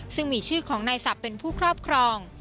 ซึ่งมีชื่อของนายศัพท์เป็นผู้ครอบครอง